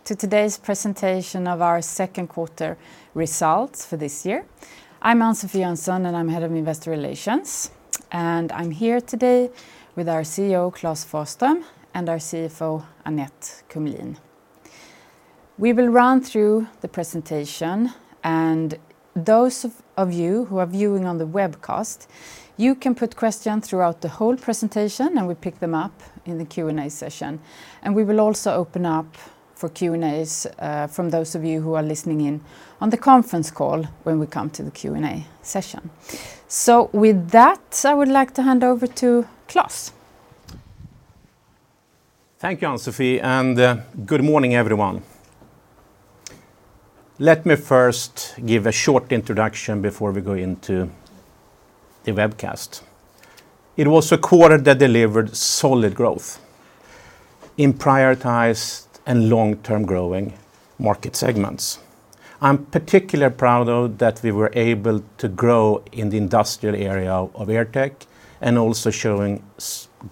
Welcome to today's presentation of our second quarter results for this year. I'm Ann-Sofi Jönsson. I'm head of investor relations. I'm here today with our CEO, Klas Forsström, and our CFO, Annette Kumlien. We will run through the presentation, and those of you who are viewing on the webcast, you can put questions throughout the whole presentation, and we pick them up in the Q&A session. We will also open up for Q&As from those of you who are listening in on the conference call when we come to the Q&A session. With that, I would like to hand over to Klas. Thank you, Ann-Sofi, and good morning, everyone. Let me first give a short introduction before we go into the webcast. It was a quarter that delivered solid growth in prioritized and long-term growing market segments. I'm particularly proud of that we were able to grow in the industrial area of AirTech, and also showing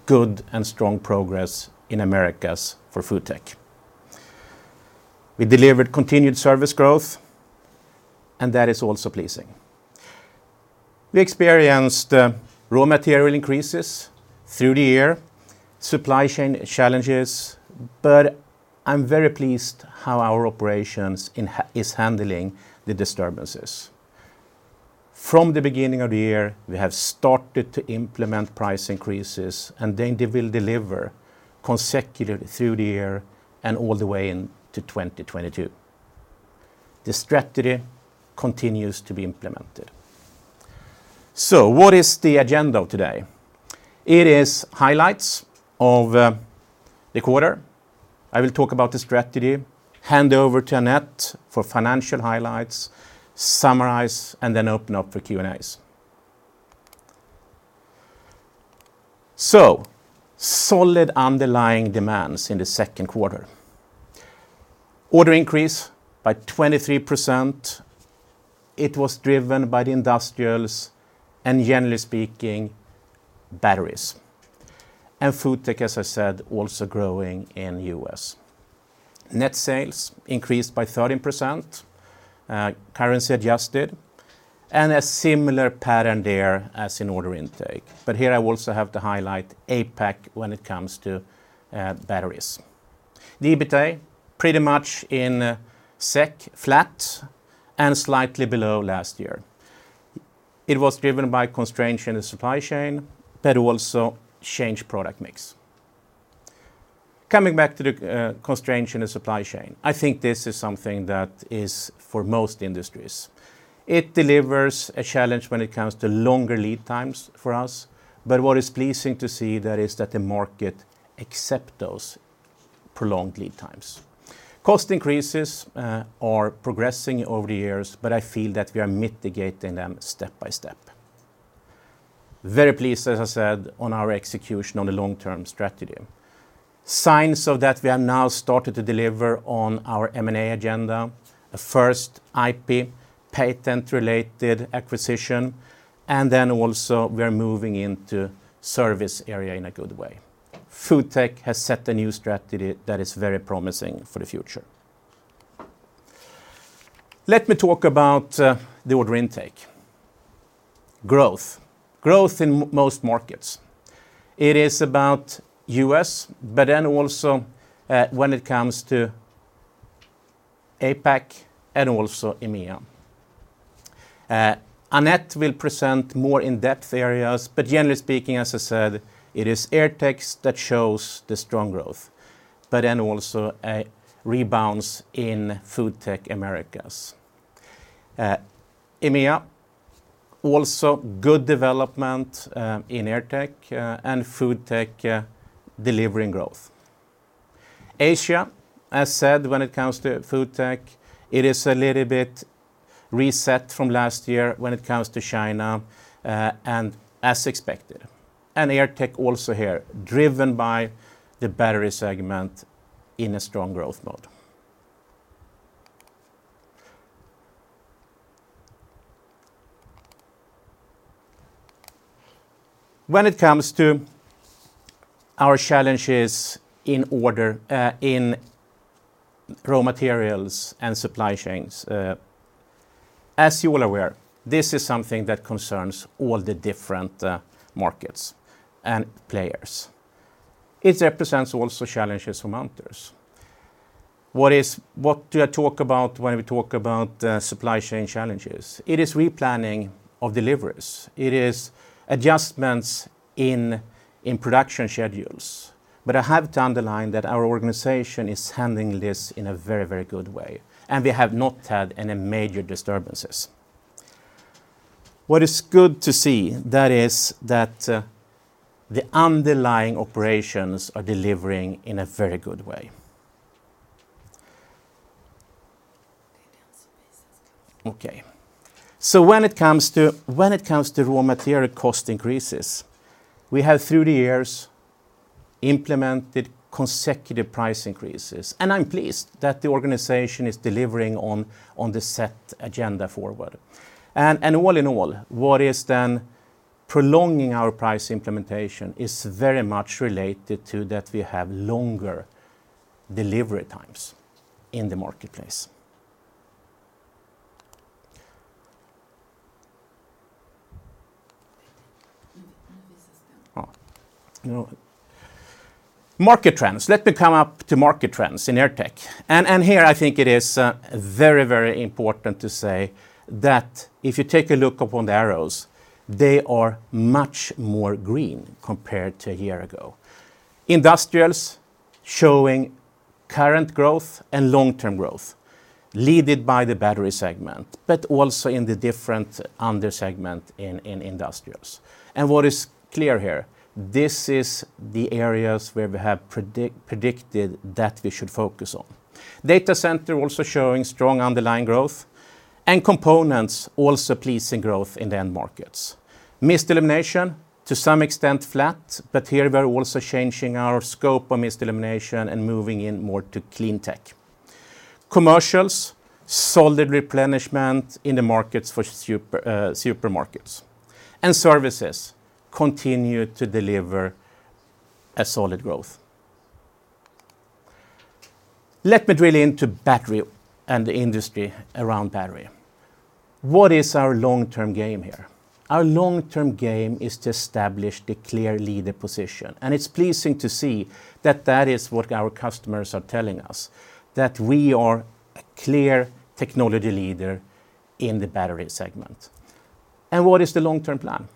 good and strong progress in Americas for FoodTech. We delivered continued service growth. That is also pleasing. We experienced raw material increases through the year, supply chain challenges, but I'm very pleased how our operations is handling the disturbances. From the beginning of the year, we have started to implement price increases, and then they will deliver consecutively through the year and all the way into 2022. The strategy continues to be implemented. What is the agenda today? It is highlights of the quarter. I will talk about the strategy, hand over to Annette for financial highlights, summarize, and then open up for Q&As. Solid underlying demands in the second quarter. Order increase by 23%. It was driven by the industrials, and generally speaking, batteries. FoodTech, as I said, also growing in U.S. Net sales increased by 13%, currency adjusted, and a similar pattern there as in order intake. Here, I also have to highlight APAC when it comes to batteries. The EBITA, pretty much in SEK flat and slightly below last year. It was driven by constraints in the supply chain, but also changed product mix. Coming back to the constraints in the supply chain, I think this is something that is for most industries. It delivers a challenge when it comes to longer lead times for us, but what is pleasing to see there is that the market accept those prolonged lead times. Cost increases are progressing over the years, but I feel that we are mitigating them step by step. Very pleased, as I said, on our execution on the long-term strategy. Signs of that we are now started to deliver on our M&A agenda. The first IP patent-related acquisition, and then also we are moving into service area in a good way. FoodTech has set a new strategy that is very promising for the future. Let me talk about the order intake. Growth. Growth in most markets. It is about U.S., but then also, when it comes to APAC and also EMEA. Annette will present more in-depth areas, but generally speaking, as I said, it is AirTech that shows the strong growth, but then also a rebounds in FoodTech Americas. EMEA, also good development in AirTech and FoodTech delivering growth. Asia, as said, when it comes to FoodTech, it is a little bit reset from last year when it comes to China, and as expected. AirTech also here, driven by the battery segment in a strong growth mode. When it comes to our challenges in raw materials and supply chains, as you all are aware, this is something that concerns all the different markets and players. It represents also challenges for Munters. What do I talk about when we talk about supply chain challenges? It is replanning of deliveries. It is adjustments in production schedules. I have to underline that our organization is handling this in a very good way, and we have not had any major disturbances. What is good to see, that is that the underlying operations are delivering in a very good way. Okay. When it comes to raw material cost increases, we have, through the years, implemented consecutive price increases, and I'm pleased that the organization is delivering on the set agenda forward. All in all, prolonging our price implementation is very much related to that we have longer delivery times in the marketplace. Market trends. Let me come up to market trends in AirTech. Here I think it is very important to say that if you take a look upon the arrows, they are much more green compared to a year ago. Industrials showing current growth and long-term growth led by the battery segment, but also in the different under-segment in industrials. What is clear here, this is the areas where we have predicted that we should focus on. Data center also showing strong underlying growth, and components also pleasing growth in the end markets. Mist elimination, to some extent flat, but here we are also changing our scope of mist elimination and moving in more to clean tech. Commercials, solid replenishment in the markets for supermarkets. Services continue to deliver a solid growth. Let me drill into battery and the industry around battery. What is our long-term game here? Our long-term game is to establish the clear leader position, and it's pleasing to see that is what our customers are telling us. That we are a clear technology leader in the battery segment. What is the long-term plan?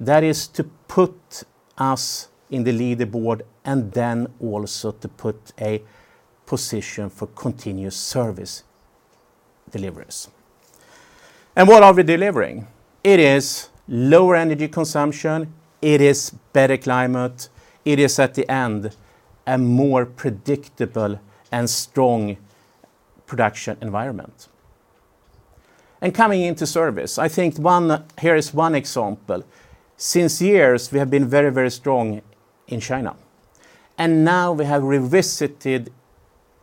That is to put us in the leaderboard and then also to put a position for continuous service deliveries. What are we delivering? It is lower energy consumption. It is better climate. It is at the end, a more predictable and strong production environment. Coming into service, here is one example. Since years, we have been very strong in China, and now we have revisited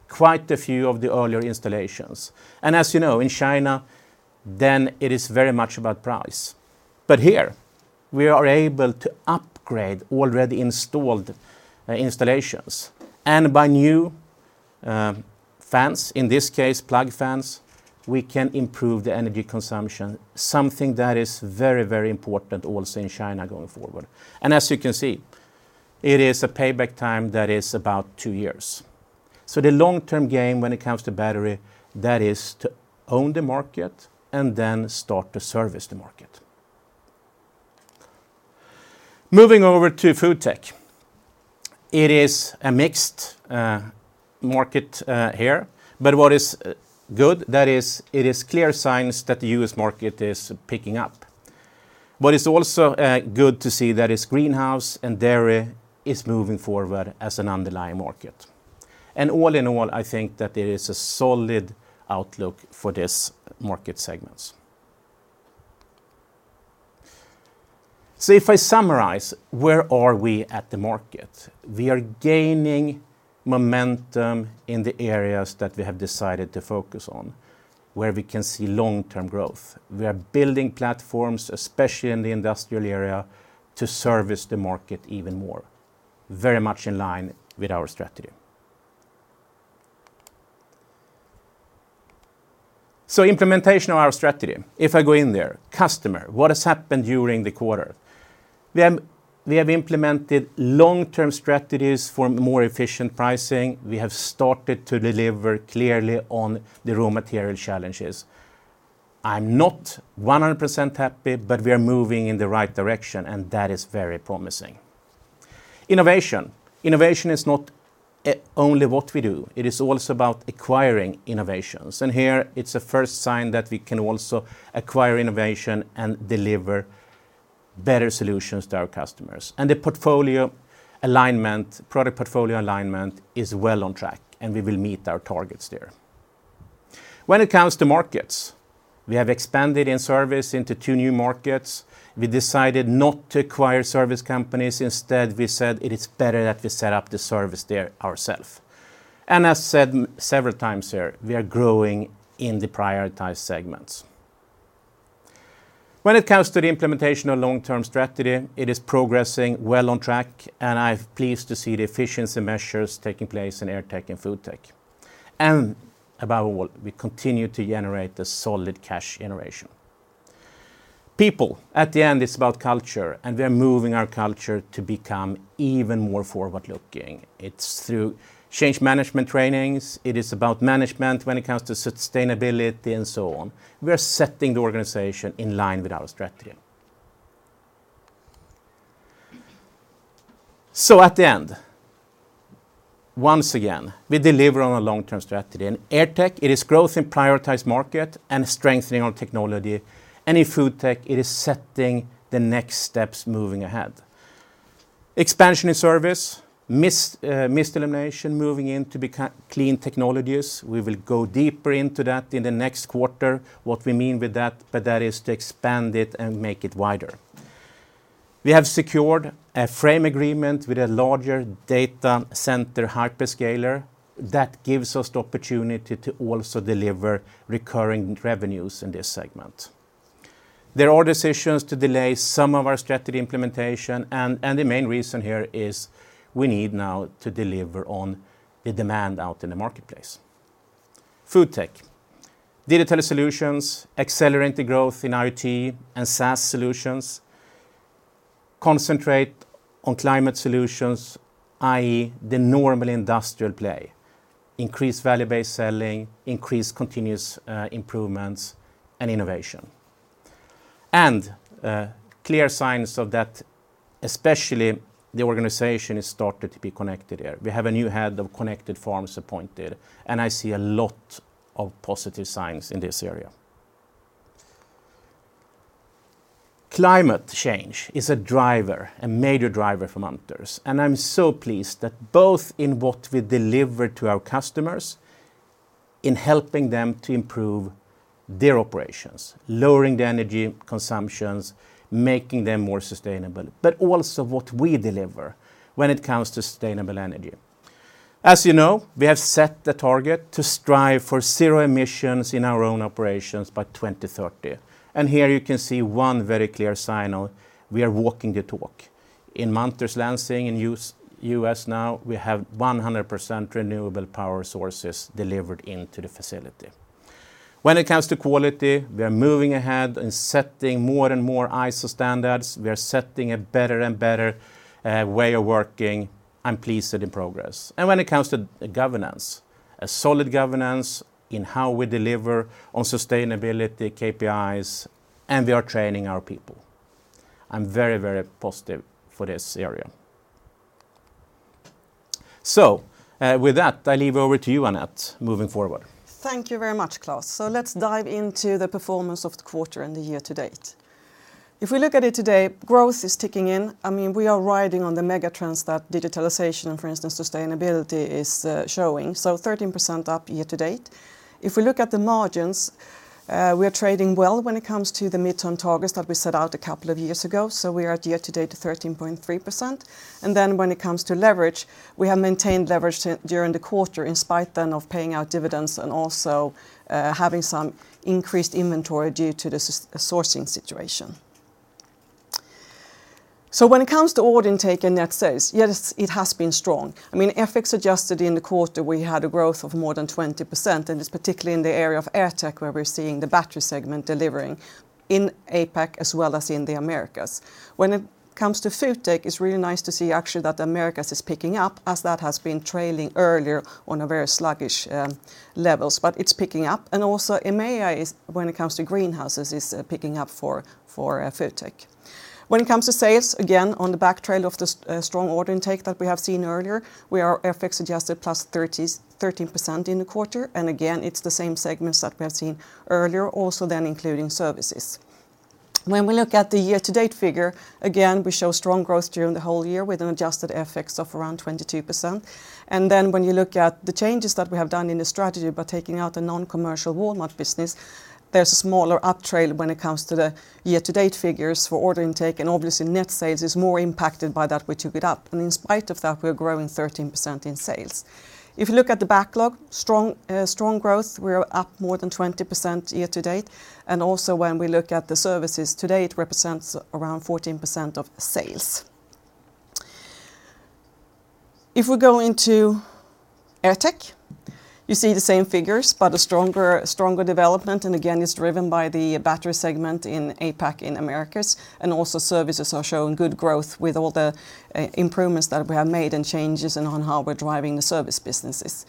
quite a few of the earlier installations. As you know, in China, then it is very much about price. Here we are able to upgrade already installed installations and by new fans, in this case plug fans, we can improve the energy consumption. Something that is very important also in China going forward. As you can see, it is a payback time that is about two years. The long-term game when it comes to battery, that is to own the market and then start to service the market. Moving over to FoodTech. It is a mixed market here, but what is good, that is, it is clear signs that the U.S. market is picking up. It's also good to see that its greenhouse and dairy is moving forward as an underlying market. All in all, I think that there is a solid outlook for this market segments. If I summarize, where are we at the market? We are gaining momentum in the areas that we have decided to focus on, where we can see long-term growth. We are building platforms, especially in the industrial area, to service the market even more, very much in line with our strategy. Implementation of our strategy. If I go in there, customer, what has happened during the quarter? We have implemented long-term strategies for more efficient pricing. We have started to deliver clearly on the raw material challenges. I'm not 100% happy, but we are moving in the right direction and that is very promising. Innovation. Innovation is not only what we do, it is also about acquiring innovations. Here it's a first sign that we can also acquire innovation and deliver better solutions to our customers. The product portfolio alignment is well on track, and we will meet our targets there. When it comes to markets, we have expanded in service into two new markets. We decided not to acquire service companies. Instead, we said it is better that we set up the service there ourself. As said several times here, we are growing in the prioritized segments. When it comes to the implementation of long-term strategy, it is progressing well on track and I'm pleased to see the efficiency measures taking place in AirTech and FoodTech. Above all, we continue to generate the solid cash generation. People. At the end, it's about culture, and we are moving our culture to become even more forward-looking. It's through change management trainings. It is about management when it comes to sustainability and so on. We are setting the organization in line with our strategy. At the end, once again, we deliver on a long-term strategy. In AirTech, it is growth in prioritized market and strengthening on technology. In FoodTech, it is setting the next steps moving ahead. Expansion in service, mist elimination moving into clean tech. We will go deeper into that in the next quarter. What we mean with that, but that is to expand it and make it wider. We have secured a frame agreement with a larger data center hyperscaler that gives us the opportunity to also deliver recurring revenues in this segment. There are decisions to delay some of our strategy implementation. The main reason here is we need now to deliver on the demand out in the marketplace. FoodTech. Digital solutions accelerate the growth in IoT and SaaS solutions, concentrate on climate solutions, i.e. the normal industrial play, increase value-based selling, increase continuous improvements and innovation. Clear signs of that, especially the organization has started to be connected here. We have a new head of connected farms appointed, and I see a lot of positive signs in this area. Climate change is a major driver for Munters, I'm so pleased that both in what we deliver to our customers in helping them to improve their operations, lowering their energy consumptions, making them more sustainable, but also what we deliver when it comes to sustainable energy. As you know, we have set the target to strive for zero emissions in our own operations by 2030. Here you can see one very clear sign of we are walking the talk. In Munters Lansing in U.S. now, we have 100% renewable power sources delivered into the facility. When it comes to quality, we are moving ahead and setting more and more ISO standards. We are setting a better and better way of working. I'm pleased at the progress. When it comes to governance, a solid governance in how we deliver on sustainability, KPIs. We are training our people. I'm very, very positive for this area. With that, I leave over to you, Annette, moving forward. Thank you very much, Klas. Let's dive into the performance of the quarter and the year to date. If we look at it today, growth is ticking in. We are riding on the mega trends that digitalization and, for instance, sustainability is showing. 13% up year to date. If we look at the margins, we are trading well when it comes to the midterm targets that we set out a couple of years ago. We are at year to date at 13.3%. When it comes to leverage, we have maintained leverage during the quarter in spite then of paying out dividends and also having some increased inventory due to the sourcing situation. When it comes to order intake and net sales, yes, it has been strong. FX adjusted in the quarter, we had a growth of more than 20%, it's particularly in the area of AirTech where we're seeing the battery segment delivering in APAC as well as in the Americas. When it comes to FoodTech, it's really nice to see actually that the Americas is picking up as that has been trailing earlier on very sluggish levels, but it's picking up. Also, EMEA, when it comes to greenhouses, is picking up for FoodTech. When it comes to sales, again, on the back trail of the strong order intake that we have seen earlier, we are FX adjusted +13% in the quarter, again, it's the same segments that we have seen earlier, also then including services. When we look at the year-to-date figure, again, we show strong growth during the whole year with an adjusted FX of around 22%. When you look at the changes that we have done in the strategy by taking out the non-commercial Walmart business, there's a smaller uptrail when it comes to the year-to-date figures for order intake, and obviously net sales is more impacted by that we took it up, and in spite of that, we're growing 13% in sales. If you look at the backlog, strong growth. We are up more than 20% year to date, and also when we look at the services, to date represents around 14% of sales. If we go into AirTech, you see the same figures, but a stronger development, and again, it's driven by the battery segment in APAC and Americas, and also services are showing good growth with all the improvements that we have made and changes and on how we're driving the service businesses.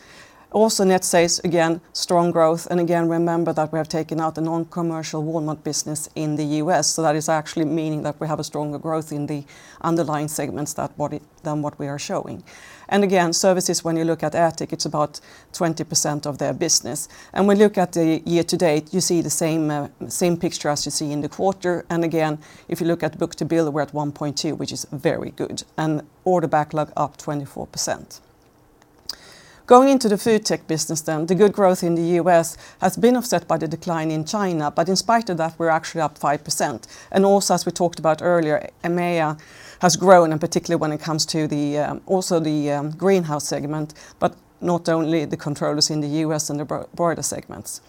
Net sales, again, strong growth, again, remember that we have taken out the non-commercial Walmart business in the U.S., that is actually meaning that we have a stronger growth in the underlying segments than what we are showing. Again, services, when you look at AirTech, it's about 20% of their business. We look at the year-to-date, you see the same picture as you see in the quarter. Again, if you look at book-to-bill, we're at 1.2, which is very good, and order backlog up 24%. Going into the FoodTech business then, the good growth in the U.S. has been offset by the decline in China, in spite of that, we're actually up 5%. Also, as we talked about earlier, EMEA has grown, particularly when it comes to also the greenhouse segment, but not only the controllers in the U.S. and the broader segments.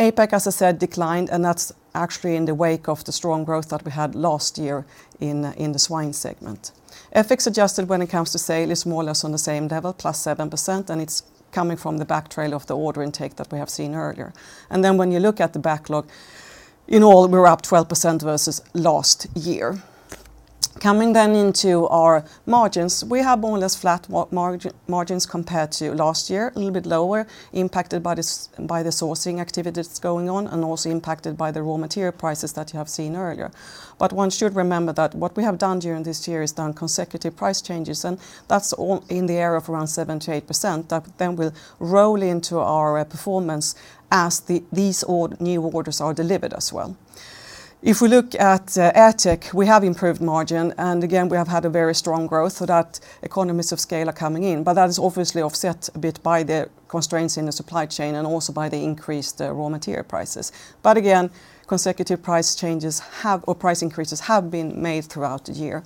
APAC, as I said, declined, that's actually in the wake of the strong growth that we had last year in the swine segment. FX adjusted when it comes to sales is more or less on the same level, plus 7%, it's coming from the back trail of the order intake that we have seen earlier. When you look at the backlog, in all, we're up 12% versus last year. Coming into our margins, we have more or less flat margins compared to last year, a little bit lower, impacted by the sourcing activities going on also impacted by the raw material prices that you have seen earlier. One should remember that what we have done during this year is done consecutive price changes, and that's all in the area of around 7%-8% that then will roll into our performance as these new orders are delivered as well. If we look at AirTech, we have improved margin, and again, we have had a very strong growth, so that economies of scale are coming in, but that is obviously offset a bit by the constraints in the supply chain and also by the increased raw material prices. Again, consecutive price increases have been made throughout the year.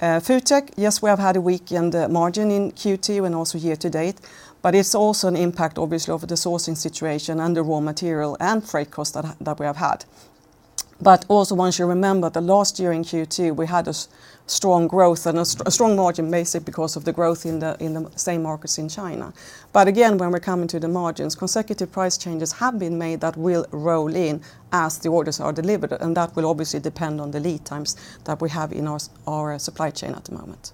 FoodTech, yes, we have had a weakened margin in Q2 and also year to date, but it's also an impact, obviously, of the sourcing situation and the raw material and freight costs that we have had. Also, once you remember the last year in Q2, we had a strong margin, basically because of the growth in the same markets in China. Again, when we're coming to the margins, consecutive price changes have been made that will roll in as the orders are delivered, and that will obviously depend on the lead times that we have in our supply chain at the moment.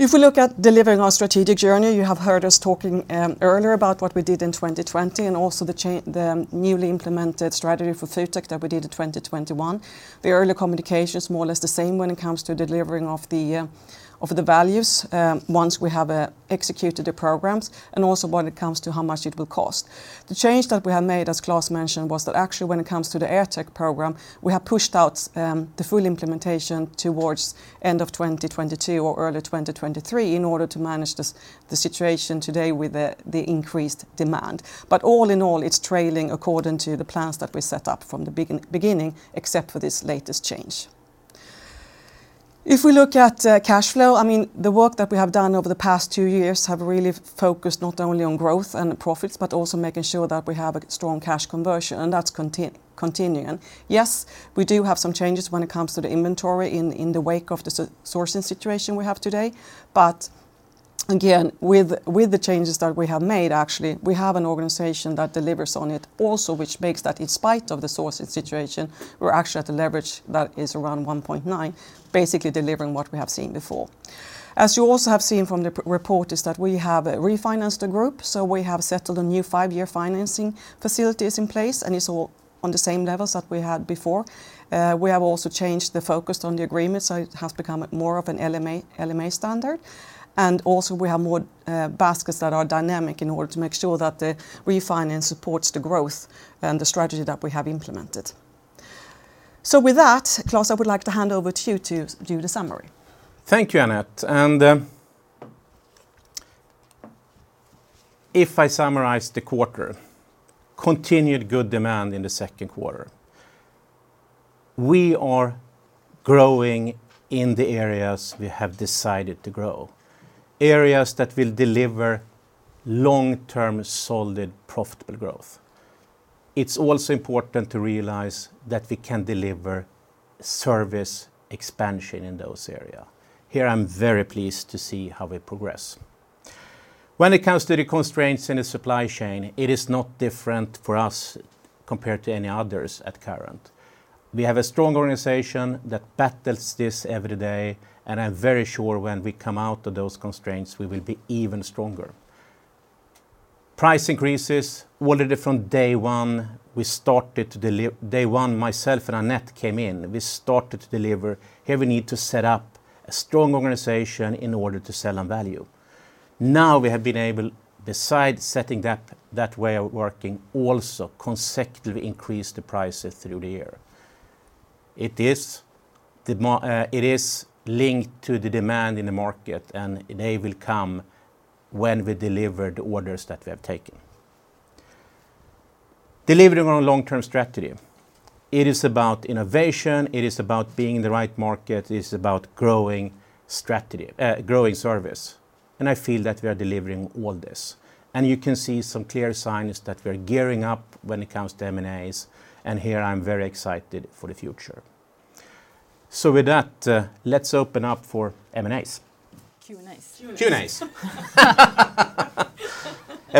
If we look at delivering our strategic journey, you have heard us talking earlier about what we did in 2020 and also the newly implemented strategy for FoodTech that we did in 2021. The early communication is more or less the same when it comes to delivering of the values, once we have executed the programs and also when it comes to how much it will cost. The change that we have made, as Klas mentioned, was that actually when it comes to the AirTech program, we have pushed out the full implementation towards end of 2022 or early 2023 in order to manage the situation today with the increased demand. All in all, it's trailing according to the plans that we set up from the beginning, except for this latest change. If we look at cash flow, the work that we have done over the past two years have really focused not only on growth and profits, but also making sure that we have a strong cash conversion, and that's continuing. Yes, we do have some changes when it comes to the inventory in the wake of the sourcing situation we have today, but again, with the changes that we have made, actually, we have an organization that delivers on it also, which makes that in spite of the sourcing situation, we're actually at a leverage that is around 1.9, basically delivering what we have seen before. As you also have seen from the report, is that we have refinanced the group, so we have settled a new five-year financing facilities in place, and it's all on the same levels that we had before. We have also changed the focus on the agreement, so it has become more of an LMA standard. Also we have more baskets that are dynamic in order to make sure that the refinance supports the growth and the strategy that we have implemented. With that, Klas, I would like to hand over to you to do the summary. Thank you, Annette. If I summarize the quarter, continued good demand in the second quarter. We are growing in the areas we have decided to grow, areas that will deliver long-term, solid, profitable growth. It's also important to realize that we can deliver service expansion in those area. Here, I'm very pleased to see how we progress. When it comes to the constraints in the supply chain, it is not different for us compared to any others at current. We have a strong organization that battles this every day. I'm very sure when we come out of those constraints, we will be even stronger. Price increases, already from day one, myself and Annette came in, we started to deliver. Here we need to set up a strong organization in order to sell on value. Now we have been able, besides setting that way of working, also consecutively increase the prices through the year. It is linked to the demand in the market, they will come when we deliver the orders that we have taken. Delivering on a long-term strategy. It is about innovation. It is about being in the right market. It is about growing service, I feel that we are delivering all this. You can see some clear signs that we're gearing up when it comes to M&As, here I'm very excited for the future. With that, let's open up for M&As. Q&As. Q&As. A Freudian slip there. Yes. Yes. Okay. I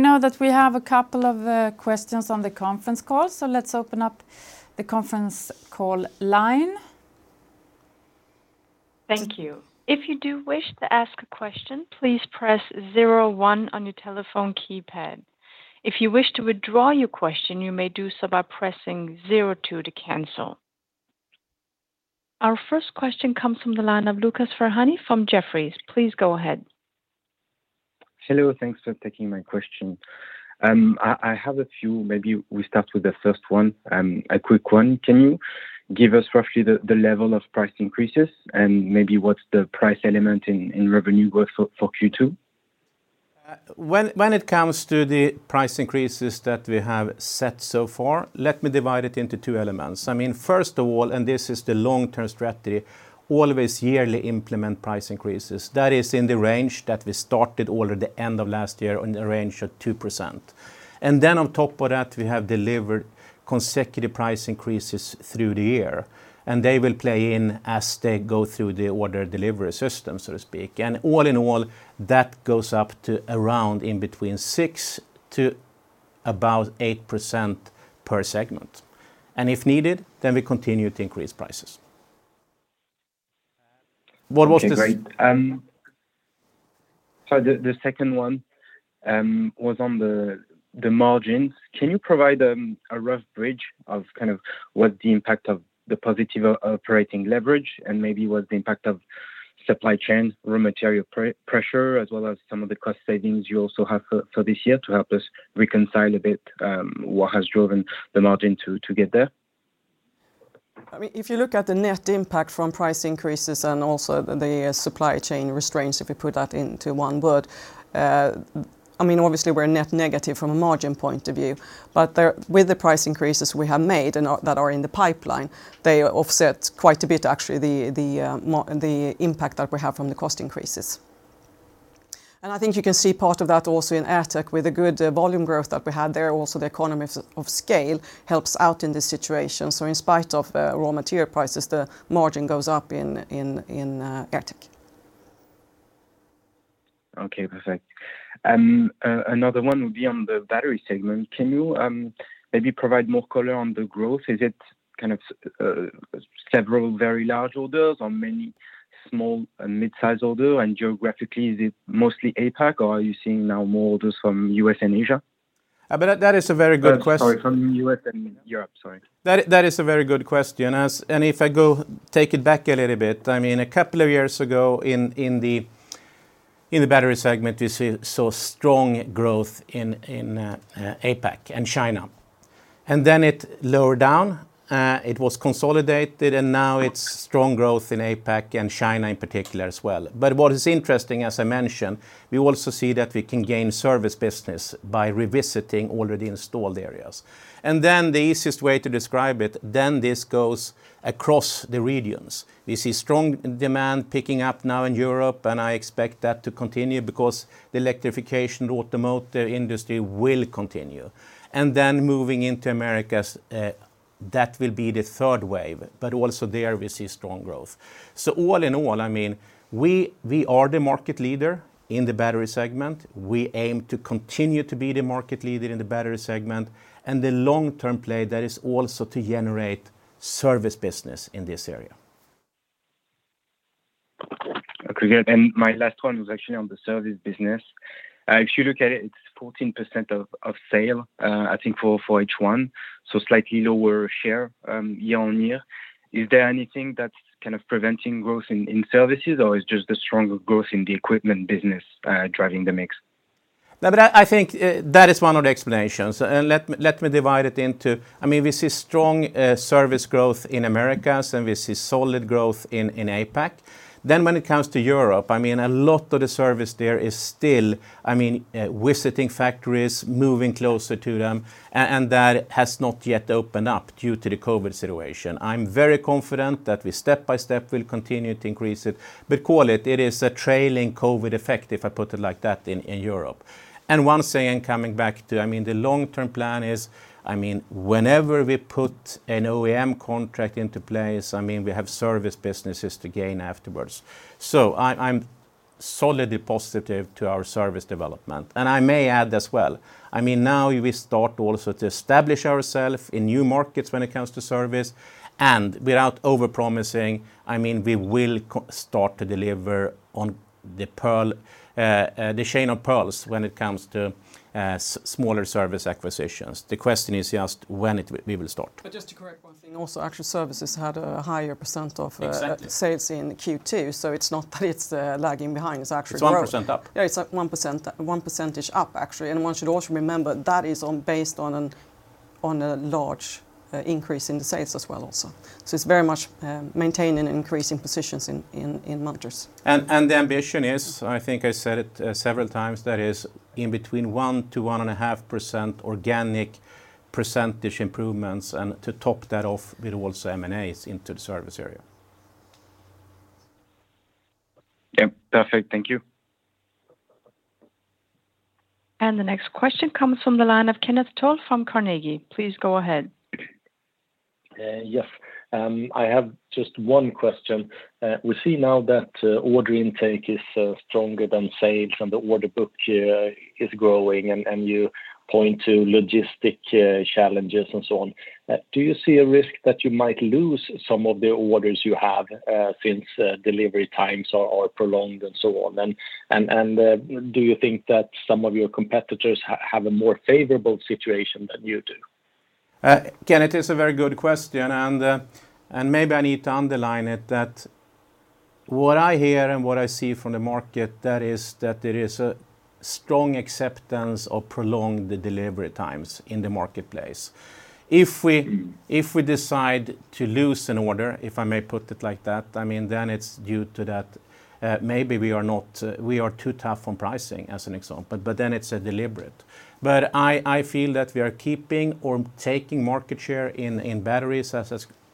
know that we have a couple of questions on the conference call. Let's open up the conference call line. Thank you. If you wish to ask a question please press zero one on your telephone keypad. If you wish to withdraw your question you may do so by pressing zero two to cancel. Our first question comes from the line of Lucas Ferhani from Jefferies. Please go ahead. Hello, thanks for taking my question. I have a few, maybe we start with the first one, a quick one. Can you give us roughly the level of price increases and maybe what's the price element in revenue growth for Q2? When it comes to the price increases that we have set so far, let me divide it into two elements. First of all, this is the long-term strategy, always yearly implement price increases. That is in the range that we started already end of last year on the range of 2%. On top of that, we have delivered consecutive price increases through the year, they will play in as they go through the order delivery system, so to speak. All in all, that goes up to around in between 6%-8% per segment. Great. Sorry, the second one was on the margins. Can you provide a rough bridge of what the impact of the positive operating leverage and maybe what's the impact of supply chain raw material pressure as well as some of the cost savings you also have for this year to help us reconcile a bit what has driven the margin to get there? If you look at the net impact from price increases and also the supply chain restraints, if we put that into one word, obviously we are net negative from a margin point of view. With the price increases we have made and that are in the pipeline, they offset quite a bit, actually, the impact that we have from the cost increases. I think you can see part of that also in AirTech with the good volume growth that we had there, also the economy of scale helps out in this situation. In spite of raw material prices, the margin goes up in AirTech. Okay, perfect. Another one would be on the battery segment. Can you maybe provide more color on the growth? Is it kind of several very large orders or many small and mid-size orders? Geographically, is it mostly APAC, or are you seeing now more orders from U.S. and Asia? That is a very good question. Sorry, from U.S. and Europe. Sorry. That is a very good question. If I go take it back a little bit, a couple of years ago, in the battery segment, we saw strong growth in APAC and China. Then it lowered down, it was consolidated, and now it's strong growth in APAC and China in particular as well. What is interesting, as I mentioned, we also see that we can gain service business by revisiting already installed areas. The easiest way to describe it, this goes across the regions. We see strong demand picking up now in Europe, I expect that to continue because the electrification automotive industry will continue. Then moving into Americas, that will be the third wave. Also there we see strong growth. All in all, we are the market leader in the battery segment. We aim to continue to be the market leader in the battery segment and the long-term play there is also to generate service business in this area. Okay, good. My last one was actually on the service business. If you look at it's 14% of sales, I think for H1, slightly lower share year-on-year. Is there anything that's kind of preventing growth in services, or it's just the stronger growth in the equipment business driving the mix? No, I think that is one of the explanations. Let me divide it. We see strong service growth in Americas, and we see solid growth in APAC. When it comes to Europe, a lot of the service there is still visiting factories, moving closer to them, and that has not yet opened up due to the COVID situation. I'm very confident that we, step by step, will continue to increase it, but call it is a trailing COVID effect, if I put it like that, in Europe. One thing, coming back to the long-term plan is, whenever we put an OEM contract into place, we have service businesses to gain afterwards. I'm solidly positive to our service development. I may add as well, now we start also to establish ourselves in new markets when it comes to service and without over-promising, we will start to deliver on the chain of pearls when it comes to smaller service acquisitions. The question is just when we will start. Just to correct one thing also, actually, services had a higher percent. Exactly Sales in Q2, so it's not that it's lagging behind. It's actually growth. It's 1% up. Yeah, it's 1% up, actually. One should also remember that is based on a large increase in the sales as well also. It's very much maintaining increasing positions in Munters. The ambition is, I think I said it several times, that is in between 1%-1.5% organic % improvements, and to top that off with also M&As into the service area. Yeah, perfect. Thank you. The next question comes from the line of Kenneth Toll from Carnegie. Please go ahead. Yes. I have just one question. We see now that order intake is stronger than sales, and the order book is growing, and you point to logistic challenges and so on. Do you see a risk that you might lose some of the orders you have since delivery times are prolonged and so on? Do you think that some of your competitors have a more favorable situation than you do? Kenneth, it's a very good question. Maybe I need to underline it that what I hear and what I see from the market, that is that there is a strong acceptance of prolonged delivery times in the marketplace. If we decide to lose an order, if I may put it like that, then it's due to that maybe we are too tough on pricing as an example. Then it's deliberate. I feel that we are keeping or taking market share in batteries,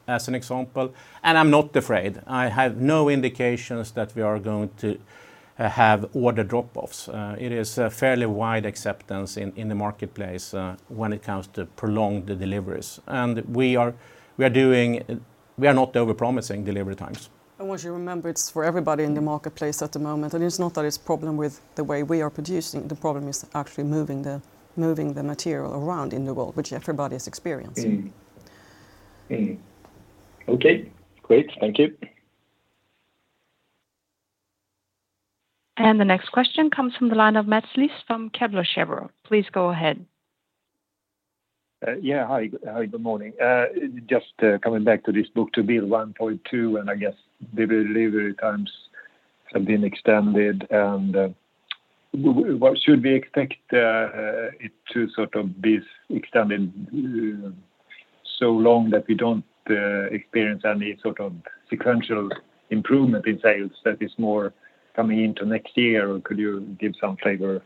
as an example, and I'm not afraid. I have no indications that we are going to have order drop-offs. It is a fairly wide acceptance in the marketplace when it comes to prolonged deliveries. We are not over-promising delivery times. Once you remember, it's for everybody in the marketplace at the moment, it's not that it's a problem with the way we are producing. The problem is actually moving the material around in the world, which everybody is experiencing. Okay, great. Thank you. The next question comes from the line of Mats Liss from Kepler Cheuvreux. Please go ahead. Yeah, hi. Good morning. Just coming back to this book-to-bill 1.2. I guess the delivery times have been extended. Should we expect it to be extended so long that we don't experience any sort of sequential improvement in sales that is more coming into next year? Could you give some flavor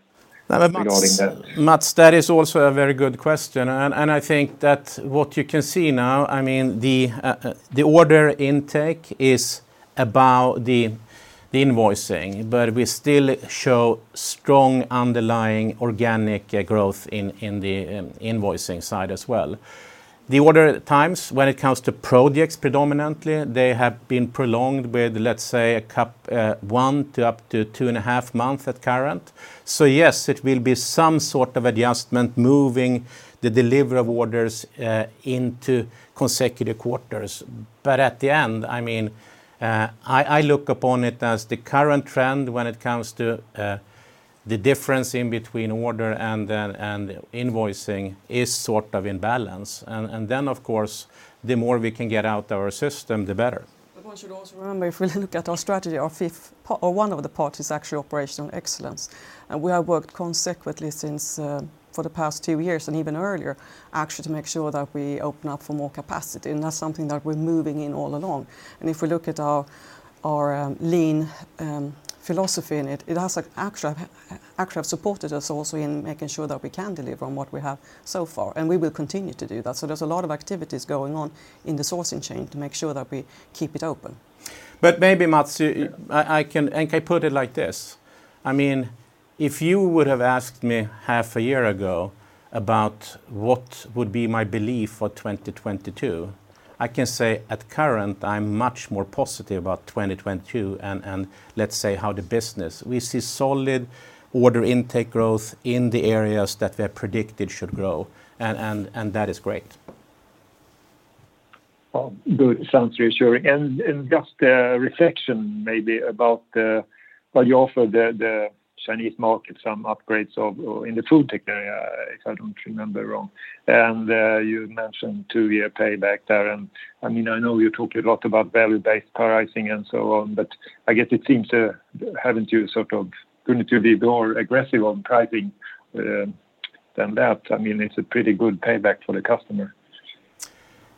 regarding that? Mats, that is also a very good question. I think that what you can see now, the order intake is about the invoicing. We still show strong underlying organic growth in the invoicing side as well. The order times when it comes to projects predominantly, they have been prolonged with, let's say, one to up to 2.5 months at current. Yes, it will be some sort of adjustment moving the delivery of orders into consecutive quarters. At the end, I look upon it as the current trend when it comes to the difference in between order and invoicing is sort of in balance. Then, of course, the more we can get out our system, the better. One should also remember, if we look at our strategy, one of the parts is actually operational excellence. We have worked consecutively for the past two years and even earlier, actually, to make sure that we open up for more capacity, and that's something that we're moving in all along. If we look at our lean philosophy in it also actually have supported us also in making sure that we can deliver on what we have so far, and we will continue to do that. There's a lot of activities going on in the sourcing chain to make sure that we keep it open. Maybe, Mats, I can put it like this. If you would have asked me half a year ago about what would be my belief for 2022, I can say at current, I'm much more positive about 2022 and let's say how the business. We see solid order intake growth in the areas that we have predicted should grow, that is great. Good. Sounds reassuring. Just a reflection maybe about what you offer the Chinese market, some upgrades in the FoodTech area, if I don't remember wrong. You mentioned two-year payback there, I know you talked a lot about value-based pricing and so on, but I guess it seems haven't you sort of going to be more aggressive on pricing than that? It's a pretty good payback for the customer.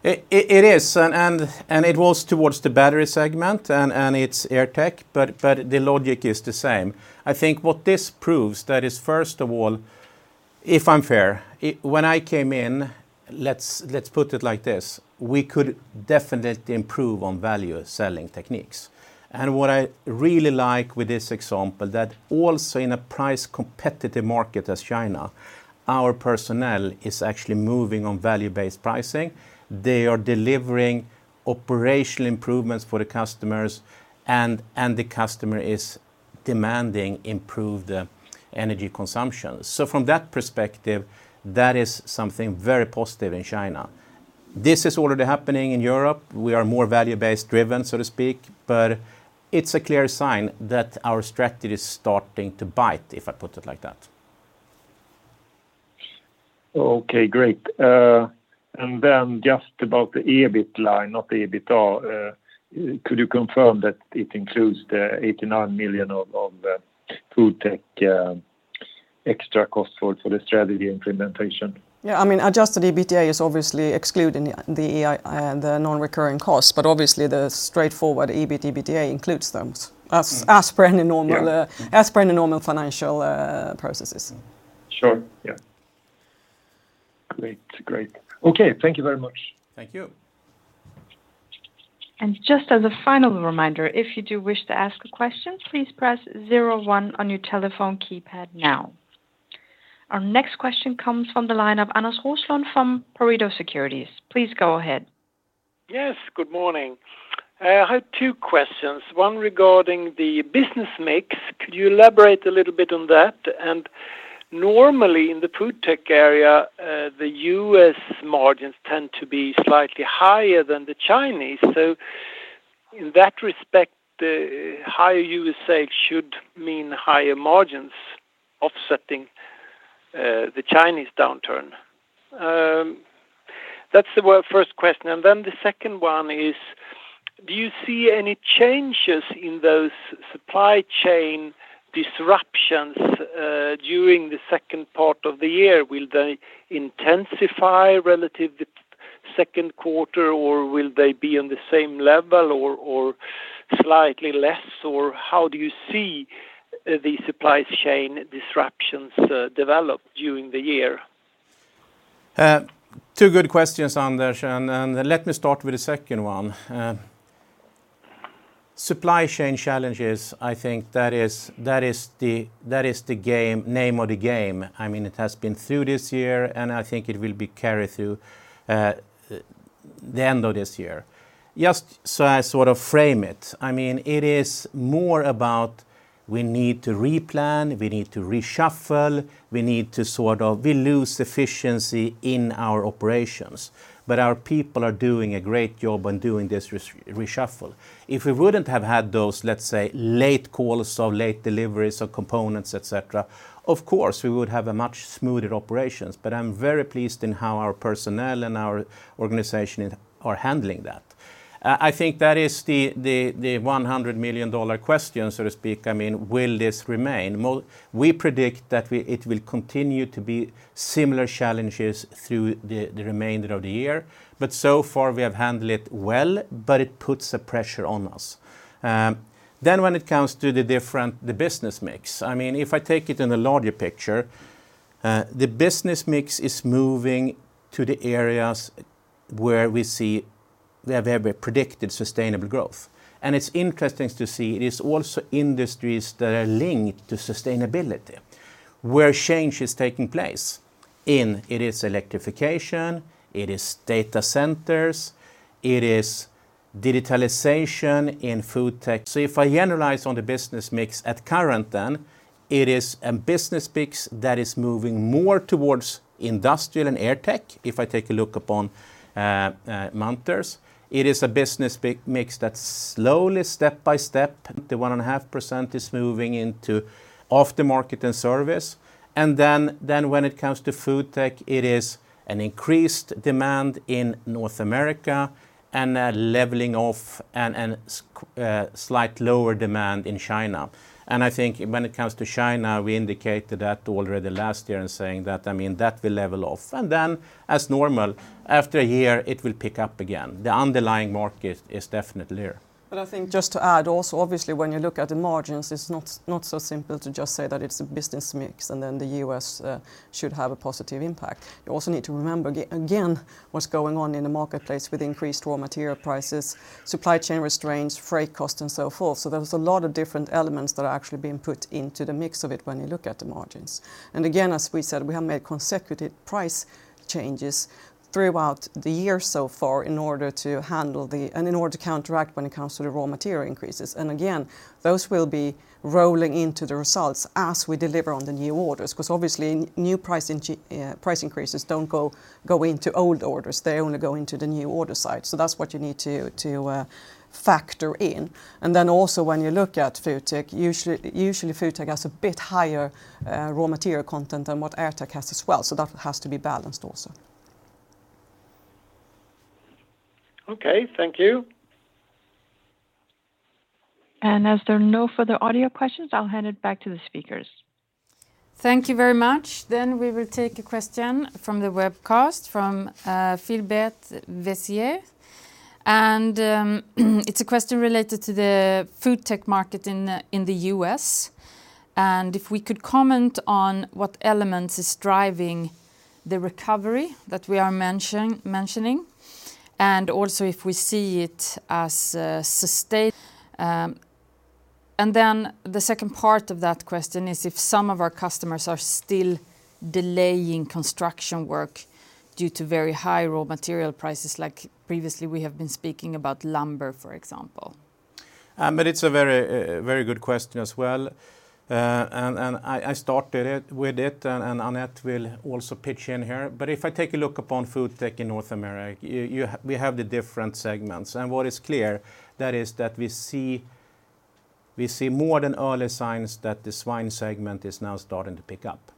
It is, and it was towards the battery segment, and it's AirTech, but the logic is the same. I think what this proves that is first of all, if I'm fair, when I came in, let's put it like this, we could definitely improve on value-selling techniques. What I really like with this example that also in a price-competitive market as China, our personnel is actually moving on value-based pricing. They are delivering operational improvements for the customers, and the customer is demanding improved energy consumption. From that perspective, that is something very positive in China. This is already happening in Europe. We are more value-based driven, so to speak, but it's a clear sign that our strategy is starting to bite, if I put it like that. Okay, great. Just about the EBIT line, not the EBITDA. Could you confirm that it includes the 89 million of FoodTech extra cost for the strategy implementation? Yeah, adjusted EBITDA is obviously excluding the non-recurring costs, but obviously the straightforward EBIT, EBITA includes those as per any normal. Yeah. Financial processes. Sure, yeah. Great. Okay, thank you very much. Thank you. Just as a final reminder, if you do wish to ask a question, please press zero one on your telephone keypad now. Our next question comes from the line of Anders Roslund from Pareto Securities. Please go ahead. Yes, good morning. I have two questions, one regarding the business mix. Could you elaborate a little bit on that? Normally in the FoodTech area, the U.S. margins tend to be slightly higher than the Chinese. In that respect, the higher U.S. sales should mean higher margins offsetting the Chinese downturn. That's the first question. The second one is, do you see any changes in those supply chain disruptions during the second part of the year? Will they intensify relative to second quarter, or will they be on the same level or slightly less? How do you see the supply chain disruptions develop during the year? Two good questions, Anders. Let me start with the second one. Supply chain challenges, I think that is the name of the game. It has been through this year, and I think it will be carried through the end of this year. Just so I sort of frame it is more about we need to replan, we need to reshuffle, we lose efficiency in our operations. Our people are doing a great job on doing this reshuffle. If we wouldn't have had those, let's say, late calls or late deliveries of components, et cetera, of course, we would have a much smoother operations. I'm very pleased in how our personnel and our organization are handling that. I think that is the SEK 100 million question, so to speak. Will this remain? We predict that it will continue to be similar challenges through the remainder of the year, but so far, we have handled it well, but it puts a pressure on us. When it comes to the business mix, if I take it in the larger picture, the business mix is moving to the areas where we see we have a predicted sustainable growth. It's interesting to see, it is also industries that are linked to sustainability, where change is taking place in, it is electrification, it is data centers, it is digitalization in FoodTech. If I generalize on the business mix at current then, it is a business mix that is moving more towards industrial and AirTech, if I take a look upon Munters. It is a business mix that's slowly, step-by-step, the 1.5% is moving into off the market and service. When it comes to FoodTech, it is an increased demand in North America and a leveling off and slight lower demand in China. I think when it comes to China, we indicated that already last year in saying that that will level off. As normal, after a year, it will pick up again. The underlying market is definitely there. I think just to add also, obviously, when you look at the margins, it's not so simple to just say that it's a business mix, and then the U.S. should have a positive impact. You also need to remember, again, what's going on in the marketplace with increased raw material prices, supply chain restraints, freight cost, and so forth. There is a lot of different elements that are actually being put into the mix of it when you look at the margins. Again, as we said, we have made consecutive price changes throughout the year so far in order to counteract when it comes to the raw material increases. Again, those will be rolling into the results as we deliver on the new orders. Obviously, new price increases don't go into old orders. They only go into the new order side. That's what you need to factor in. Then also when you look at FoodTech, usually FoodTech has a bit higher raw material content than what AirTech has as well, that has to be balanced also. Okay, thank you. As there are no further audio questions, I'll hand it back to the speakers. Thank you very much. We will take a question from the webcast, from Philbert Vesier. It's a question related to the FoodTech market in the U.S., and if we could comment on what elements is driving the recovery that we are mentioning. Also, if we see it as sustainable. The second part of that question is if some of our customers are still delaying construction work due to very high raw material prices like previously we have been speaking about lumber, for example. It's a very good question as well. I started with it, and Annette will also pitch in here. If I take a look upon FoodTech in North America, we have the different segments. What is clear, that is that we see more than early signs that the swine segment is now starting to pick up.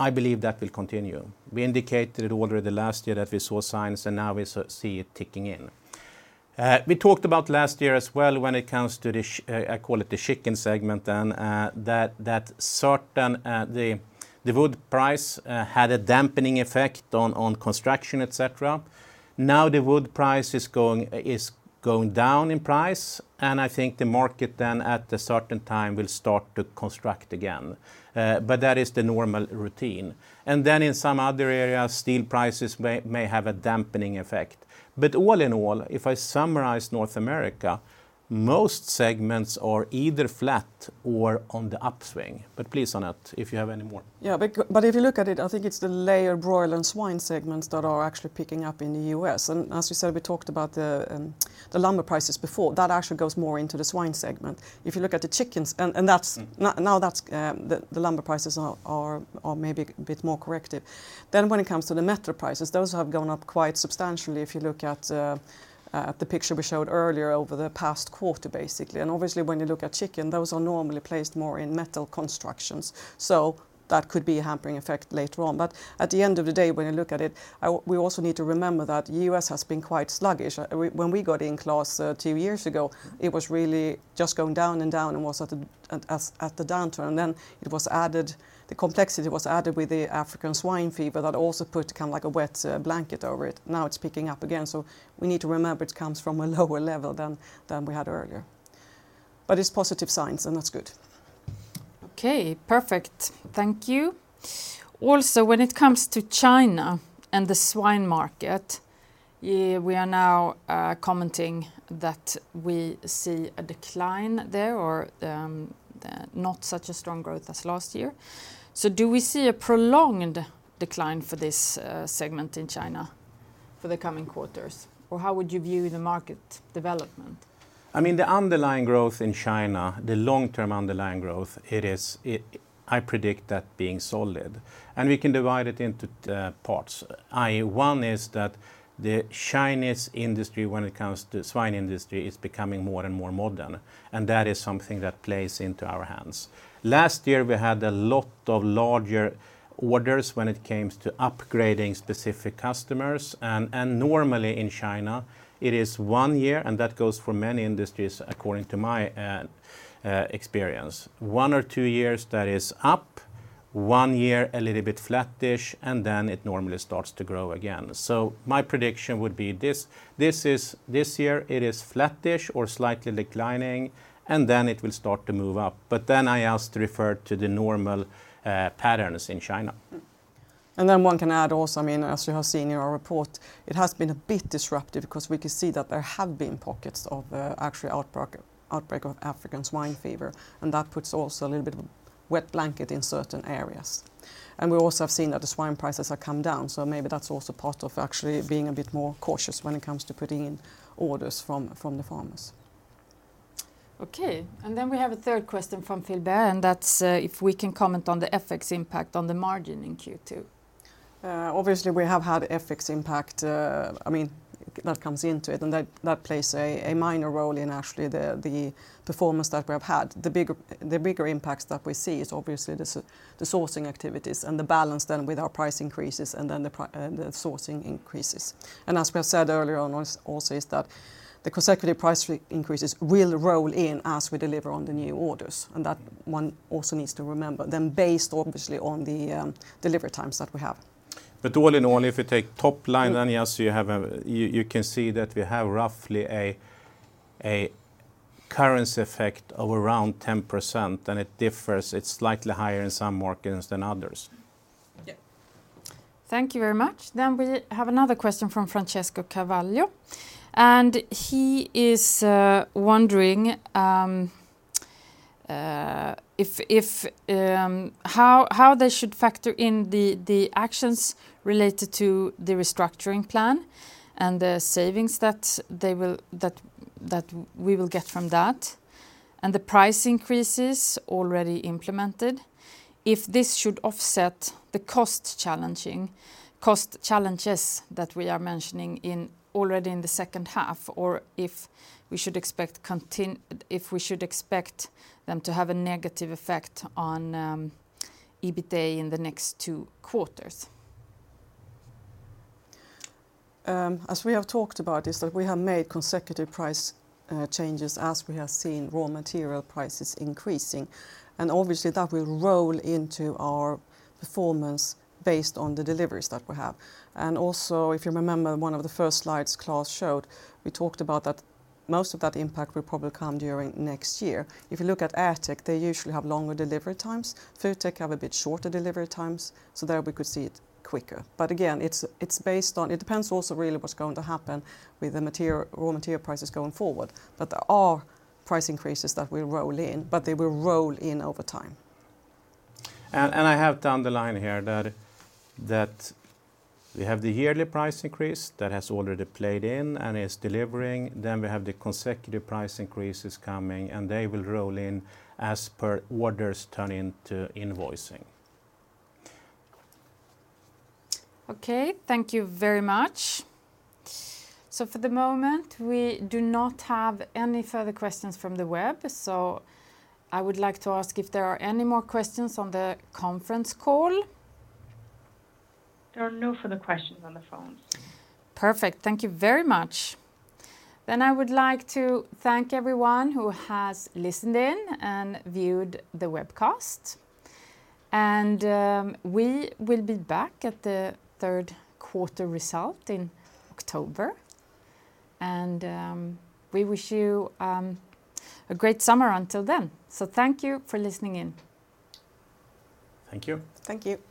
I believe that will continue. We indicated it already the last year that we saw signs, and now we see it ticking in. We talked about last year as well when it comes to the, I call it the chicken segment, then, that certain, the wood price had a dampening effect on construction, et cetera. Now the wood price is going down in price, and I think the market then at a certain time will start to construct again. That is the normal routine. In some other areas, steel prices may have a dampening effect. All in all, if I summarize North America, most segments are either flat or on the upswing. Please, Annette, if you have any more. Yeah. If you look at it, I think it's the layer broiler and swine segments that are actually picking up in the U.S. As we said, we talked about the lumber prices before. That actually goes more into the swine segment. If you look at the chickens, and now the lumber prices are maybe a bit more corrected. When it comes to the metal prices, those have gone up quite substantially, if you look at the picture we showed earlier over the past quarter, basically. Obviously, when you look at chicken, those are normally placed more in metal constructions. That could be a hampering effect later on. At the end of the day, when you look at it, we also need to remember that U.S. has been quite sluggish. When we got in close two years ago, it was really just going down and down, and was at the downturn. The complexity was added with the African swine fever that also put a wet blanket over it. Now it's picking up again. We need to remember it comes from a lower level than we had earlier. It's positive signs, and that's good. Okay, perfect. Thank you. When it comes to China and the swine market, we are now commenting that we see a decline there, or not such a strong growth as last year. Do we see a prolonged decline for this segment in China for the coming quarters? How would you view the market development? The underlying growth in China, the long-term underlying growth, I predict that being solid. We can divide it into parts. I.e. one is that the Chinese industry, when it comes to swine industry, is becoming more and more modern, and that is something that plays into our hands. Last year, we had a lot of larger orders when it came to upgrading specific customers, and normally in China, it is one year, and that goes for many industries according to my experience. One or two years that is up, one year a little bit flat-ish, and then it normally starts to grow again. My prediction would be this year it is flat-ish or slightly declining, and then it will start to move up. I also refer to the normal patterns in China. One can add also, as you have seen in our report, it has been a bit disruptive because we can see that there have been pockets of actual outbreak of African swine fever, and that puts also a little bit of wet blanket in certain areas. We also have seen that the swine prices have come down. Maybe that's also part of actually being a bit more cautious when it comes to putting in orders from the farmers. Okay. We have a third question from Phil Bern, and that's if we can comment on the FX impact on the margin in Q2. Obviously, we have had FX impact. That comes into it, and that plays a minor role in actually the performance that we have had. The bigger impacts that we see is obviously the sourcing activities and the balance then with our price increases and then the sourcing increases. As we have said earlier on also is that the consecutive price increases will roll in as we deliver on the new orders, and that one also needs to remember, based obviously on the delivery times that we have. All in all, if you take top line, yes, you can see that we have roughly a currency effect of around 10%. It differs. It's slightly higher in some markets than others. Yeah. Thank you very much. We have another question from Francesco Cavallo, and he is wondering how they should factor in the actions related to the restructuring plan and the savings that we will get from that, and the price increases already implemented. If this should offset the cost challenges that we are mentioning already in the second half, or if we should expect them to have a negative effect on EBITA in the next two quarters. As we have talked about is that we have made consecutive price changes as we have seen raw material prices increasing, and obviously that will roll into our performance based on the deliveries that we have. Also, if you remember one of the first slides Klas Forsström showed, we talked about that most of that impact will probably come during next year. If you look at AirTech, they usually have longer delivery times. FoodTech have a bit shorter delivery times, so there we could see it quicker. Again, it depends also really what's going to happen with the raw material prices going forward. There are price increases that will roll in, but they will roll in over time. I have underlined here that we have the yearly price increase that has already played in and is delivering. We have the consecutive price increases coming, and they will roll in as per orders turn into invoicing. Okay, thank you very much. For the moment, we do not have any further questions from the web. I would like to ask if there are any more questions on the conference call. There are no further questions on the phone. Perfect. Thank you very much. I would like to thank everyone who has listened in and viewed the webcast, and we will be back at the third quarter result in October. We wish you a great summer until then. Thank you for listening in. Thank you. Thank you.